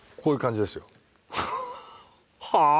「はあ？」